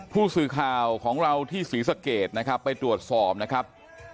ผู้สื่อข่าวของเราที่ศรีสะเกดนะครับไปตรวจสอบนะครับ